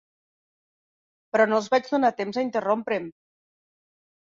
Però no els vaig donar temps a interrompre'm.